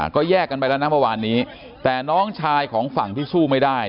ก็แยกกันไปแล้วนะเมื่อวานนี้แต่น้องชายของฝั่งที่สู้ไม่ได้